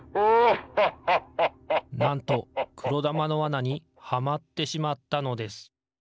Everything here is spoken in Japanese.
なんとくろだまのわなにはまってしまったのです。